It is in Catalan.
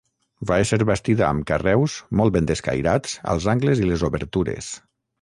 Va ésser bastida amb carreus molt ben escairats als angles i les obertures.